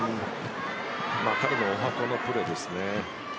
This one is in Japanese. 彼のおはこのプレーですね。